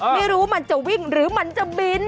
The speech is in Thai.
ไม่รู้มันจะวิ่งหรือมันจะบิน